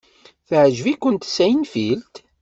Teɛjeb-ikent Seinfeld?